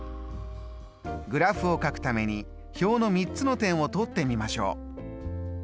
グラフをかくために表の３つの点を取ってみましょう。